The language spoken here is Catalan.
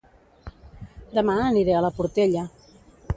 Dema aniré a La Portella